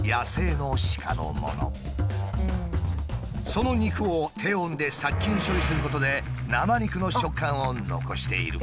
その肉を低温で殺菌処理することで生肉の食感を残している。